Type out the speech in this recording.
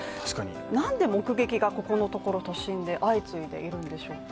なんで目撃がここのところ都心で相次いでいるんでしょうか？